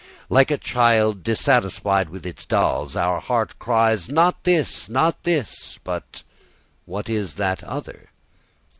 Like a child dissatisfied with its dolls, our heart cries, "Not this, not this." But what is that other?